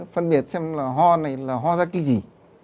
phân biệt xem là ho này là ho ra cái gì